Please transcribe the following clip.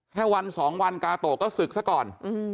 แค่วันสองวันกาโตก็ศึกซะก่อน